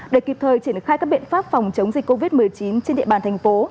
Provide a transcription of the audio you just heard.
để kịp thời triển khai các biện pháp phòng chống dịch covid một mươi chín trên địa bàn thành phố